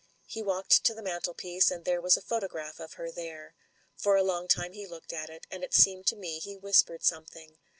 He walked to the mantelpiece, and there was a photograph of her there. For a long time he looked at it, and it seemed to me he whispered something.